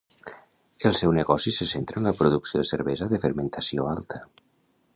El seu negoci se centra en la producció de cervesa de fermentació alta.